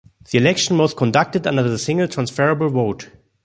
The election was conducted under the single transferable vote.